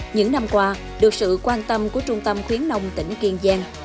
những năm qua được sự quan tâm của trung tâm khuyến nông tỉnh kiên giang